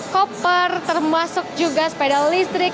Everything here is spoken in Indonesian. koper termasuk juga sepeda listrik